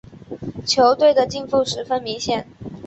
球队的进步十分明显。